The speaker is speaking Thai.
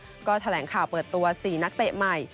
ที่แน่นกพิจารณ์ขยะเปิดตัว๔นักเตะใหม่